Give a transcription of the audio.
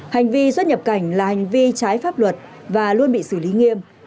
hành vi xuất nhập cảnh là hành vi trái pháp luật và luôn bị xử lý nghiêm